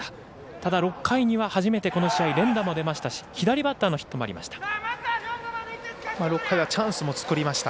ただ、６回には初めてこの試合連打も出ましたし左バッターのヒットもありました。